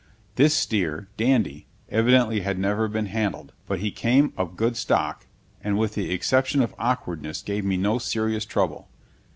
This steer, Dandy, evidently had never been handled; but he came of good stock and, with the exception of awkwardness, gave me no serious trouble.